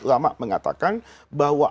ulama mengatakan bahwa